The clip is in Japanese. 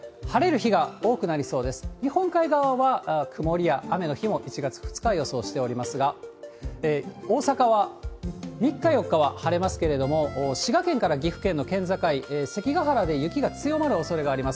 日本海側は曇りや雨の日も１月２日は予想しておりますが、大阪は３日、４日は晴れますけれども、滋賀県から岐阜県の県境、関が原で雪が強まるおそれがあります。